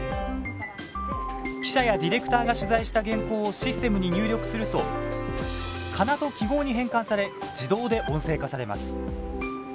記者やディレクターが取材した原稿をシステムに入力すると仮名と記号に変換され自動で音声化されます。